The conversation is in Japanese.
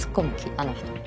あの人に。